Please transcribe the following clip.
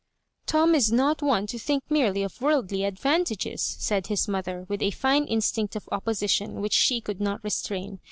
"Tom is not one to think merely of worldly advantages," said his mother, with a fine instinct of opposition which she cou, ld not restrain.